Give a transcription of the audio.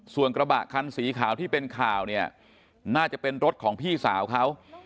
ส่วนกระบะคันสีขาวที่เป็นข่าวเนี่ยน่าจะเป็นรถของพี่สาวเขา